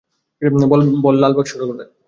বল লাল বাক্সটা কোথায়।